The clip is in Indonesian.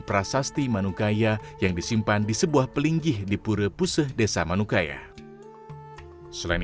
prasasti manukaya yang disimpan di sebuah pelinggih di pure puseh desa manukaya selain